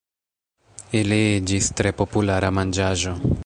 Ili iĝis tre populara manĝaĵo.